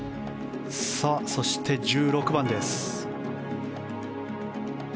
そして、１６番です。